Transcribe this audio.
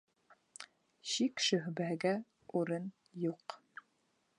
Шик-шөбһәгә урын юҡ.